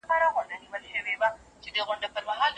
که پلاس وي نو سیم نه ښویېږي.